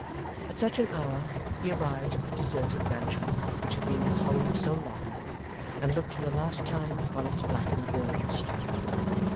At such an hour, he arrived at the deserted mansion which had been his home so long, and looked for the last time upon its blackened walls.